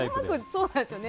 そうなんですよね。